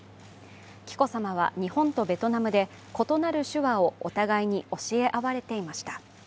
紀子さまは日本とベトナムで異なる手話をお互いに教え合われていました。